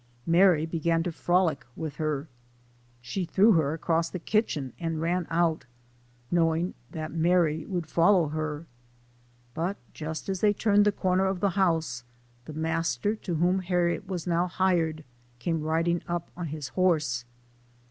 Mary began to frolic with her. She threw her across the kitchen, and ran out, knowing that Mary would follow her. But just as they turned the corner of the house, the master to whom Harriet was now hired, came rid ing up on his horse.